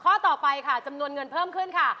ข้อต่อไปค่ะจำนวนเงินเพิ่มขึ้นค่ะ